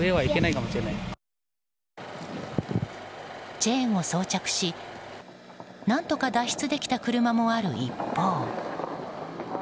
チェーンを装着し何とか脱出できた車もある一方。